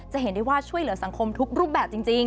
เห็นได้ว่าช่วยเหลือสังคมทุกรูปแบบจริง